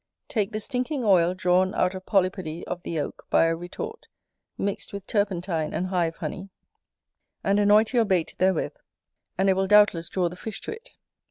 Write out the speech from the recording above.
"Take the stinking oil drawn out of polypody of the oak by a retort, mixed with turpentine and hive honey, and anoint your bait therewith, and it will doubtless draw the fish to it."